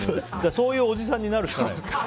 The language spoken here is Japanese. そういうおじさんになるしかない。